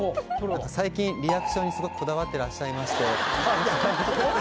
最近リアクションにすごくこだわってらっしゃいまして。